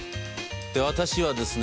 で私はですね